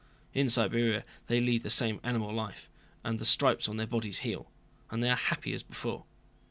In Siberia they lead the same animal life, and the stripes on their bodies heal, and they are happy as before.